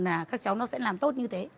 là các cháu nó sẽ làm tốt như thế